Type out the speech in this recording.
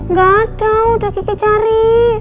gak ada udah kiki cari